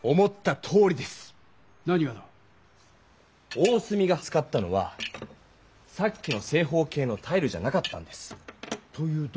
大角が使ったのはさっきの正方形のタイルじゃなかったんです！というと？